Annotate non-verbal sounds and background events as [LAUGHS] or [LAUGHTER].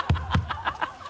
ハハハ [LAUGHS]